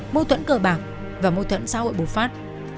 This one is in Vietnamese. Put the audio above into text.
mâu thuẫn cờ bạc và mâu thuẫn xã hội bùng phát